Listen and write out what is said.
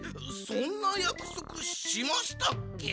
そんなやくそくしましたっけ？